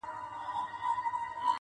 o چي کوچنى و نه ژاړي، مور تى نه ورکوي!